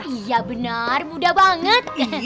iya benar mudah banget